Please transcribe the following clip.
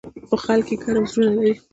خو خلک یې ګرم زړونه لري.